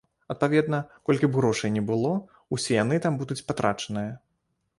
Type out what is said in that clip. Адпаведна, колькі б грошай ні было, усе яны там будуць патрачаныя.